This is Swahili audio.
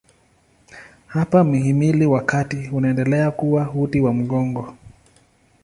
Hapa mhimili wa kati unaendelea kuwa uti wa mgongo.